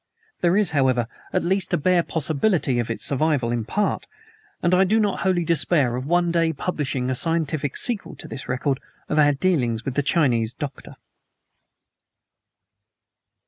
There is, however, at least a bare possibility of its survival, in part; and I do not wholly despair of one day publishing a scientific sequel to this record of our dealings with the Chinese doctor.